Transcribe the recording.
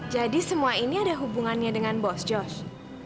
jadi semua ini ada hubungannya dengan bos josh